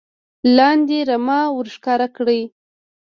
لاندې رمه ور ښکاره کړي .